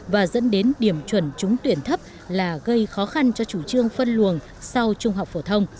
và dẫn đến điểm chuẩn trúng tuyển thấp là gây khó khăn cho chủ trương phân luồng sau trung học phổ thông